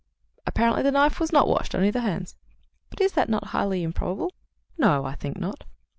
"Apparently the knife was not washed, only the hands." "But is not that highly improbable?" "No, I think not."